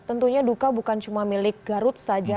tentunya duka bukan cuma milik garut saja